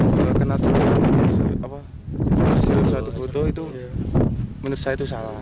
kalau kenal hasil suatu foto itu menurut saya itu salah